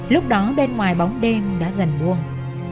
lúc đó bên ngoài bóng đêm đã dần buông